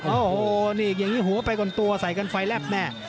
โอ้โหนี่อย่างนี้หัวไปก่อนตัวใส่กันไฟแลบแน่